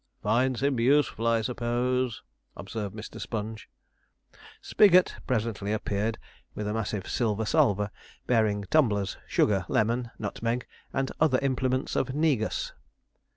'Finds him useful, I suppose,' observed Mr. Sponge. Spigot presently appeared with a massive silver salver, bearing tumblers, sugar, lemon, nutmeg, and other implements of negus.